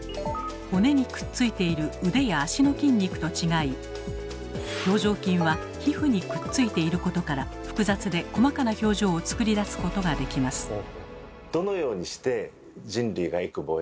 骨にくっついている腕や足の筋肉と違い表情筋は皮膚にくっついていることから複雑で細かな表情をつくり出すことができます。